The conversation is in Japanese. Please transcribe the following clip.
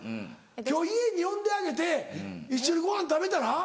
今日家に呼んであげて一緒にごはん食べたら？